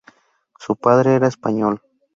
Su padre era español.